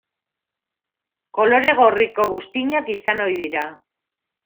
Kolore gorriko buztinak izan ohi dira.